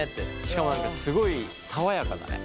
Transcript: しかも何かすごい爽やかだね。